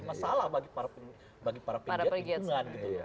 masalah bagi para pegiat lingkungan